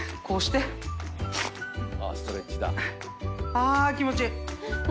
あぁ気持ちいい。